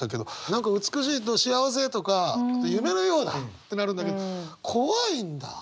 何か美しいと幸せとか夢のようだってなるんだけど怖いんだ。